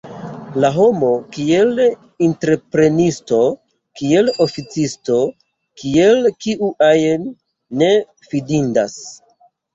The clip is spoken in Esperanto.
La homo kiel entreprenisto, kiel oficisto, kiel kiu ajn, ne fidindas.